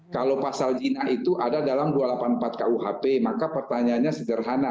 kalau pasal zina itu ada dalam dua ratus delapan puluh empat kuhp maka pertanyaannya sederhana